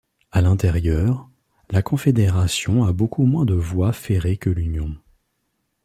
À l'intérieur, la Confédération a beaucoup moins de voies ferrées que l'Union.